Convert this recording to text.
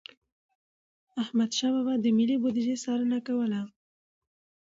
احمدشاه بابا به د ملي بوديجي څارنه کوله.